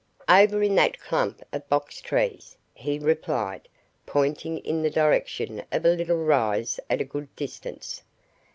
"Over in that clump of box trees," he replied, pointing in the direction of a little rise at a good distance.